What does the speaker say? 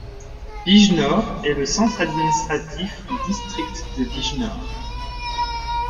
Bijnor est le centre administratif du district de Bijnor.